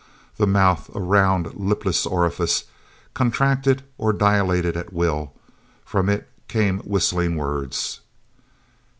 The mouth, a round, lipless orifice, contracted or dilated at will; from it came whistling words.